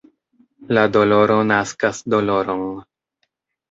La doloro naskas doloron.